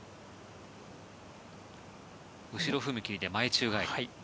後ろ踏み切りで前宙返り。